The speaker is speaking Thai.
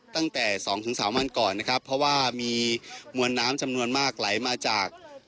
ตั้งแต่สองถึงสามวันก่อนนะครับเพราะว่ามีมวลน้ำจำนวนมากไหลมาจาก